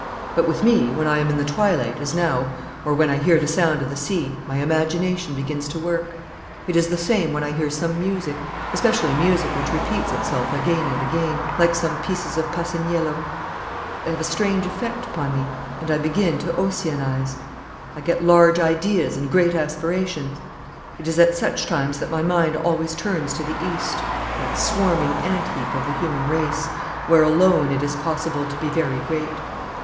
But with me, when I am in the twilight, as now, or when I hear the sound of the sea, my imagination begins to work. It is the same when I hear some music especially music which repeats itself again and again like some pieces of Passaniello. They have a strange effect upon me, and I begin to Ossianise. I get large ideas and great aspirations. It is at such times that my mind always turns to the East, that swarming ant heap of the human race, where alone it is possible to be very great.